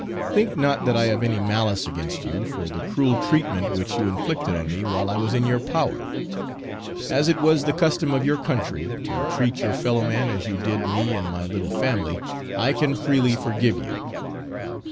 Think not that I have any malice against you, for the cruel treatment which you inflicted on me while I was in your power. As it was the custom of your country, to treat your fellow man as you did me and my little family, I can freely forgive you.